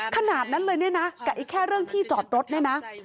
ขนาดนั้นเลยเนี่ยนะกับอีกแค่เรื่องที่จอดรถเนี่ยนะ